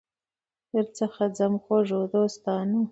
درڅخه ځمه خوږو دوستانو